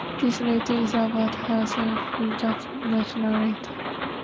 This rate is about half the national rate.